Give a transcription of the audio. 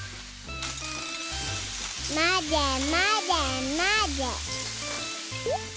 まぜまぜまぜ。